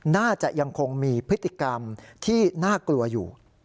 น่าจะยังคงมีพฤติกรรมที่น่ากลัวอยู่